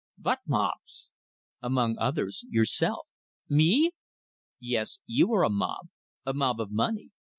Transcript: "Vot mobs?" "Among others, yourself." "Me?" "Yes you are a mob; a mob of money!